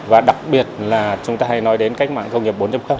và đặc biệt là chúng ta hay nói đến cách mạng công nghiệp bốn